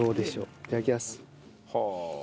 いただきます。